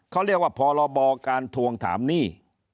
เขาเรียกว่าพรบการทวงถามหนี้